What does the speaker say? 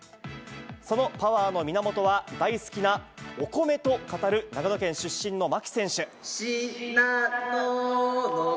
そのパワーの源は、大好きなお米と語る、長野県出身の牧選手。